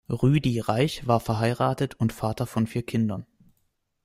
Ruedi Reich war verheiratet und Vater von vier Kindern.